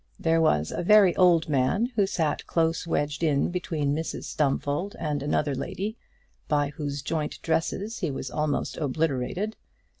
There was a very old man who sat close wedged in between Mrs Stumfold and another lady, by whose joint dresses he was almost obliterated.